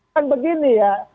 kan begini ya